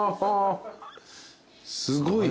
すごい。